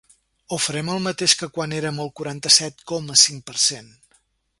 O farem el mateix que quan érem el quaranta-set coma cinc per cent?